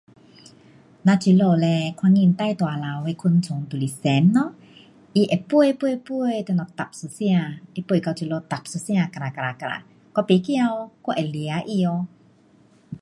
咱这里嘞看见最大只的昆虫就是蝉咯，它飞飞飞，等下，哒，一声，它飞到这里，哒，一声，卡拉，卡拉，卡拉。我不怕哦，我会抓它哦。